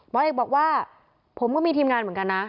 เอกบอกว่าผมก็มีทีมงานเหมือนกันนะ